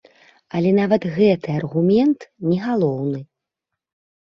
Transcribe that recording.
Але нават гэты аргумент не галоўны.